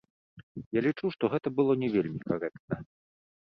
Я лічу, што гэта было не вельмі карэктна.